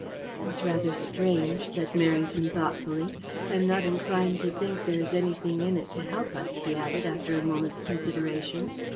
"It is rather strange," said Merrington thoughtfully. "I am not inclined to think there is anything in it to help us," he added, after a moment's consideration.